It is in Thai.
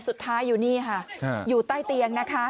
สุดท้ายอยู่นี่ค่ะอยู่ใต้เตียงนะคะ